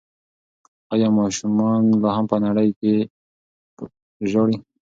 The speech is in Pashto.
ایا ماشوم لا هم په انړۍ کې ژاړي؟